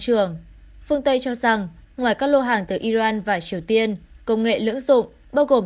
trưởng phương tây cho rằng ngoài các lô hàng từ iran và triều tiên công nghệ lưỡng dụng bao gồm